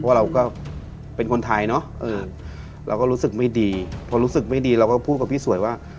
เพราะเราก็เป็นคนไทยเนอะเราก็รู้สึกไม่ดีพอรู้สึกไม่ดีเราก็พูดกับพี่สวยว่า